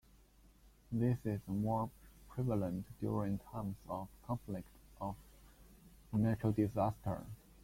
This is more prevalent during times of conflict or natural disaster.